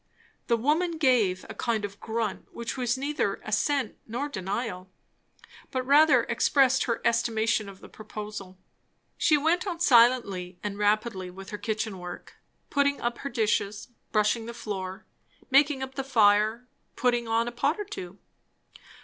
The woman gave a kind of grunt, which was neither assent nor denial, but rather expressed her estimation of the proposal. She went on silently and rapidly with her kitchen work; putting up her dishes, brushing the floor, making up the fire, putting on a pot or two.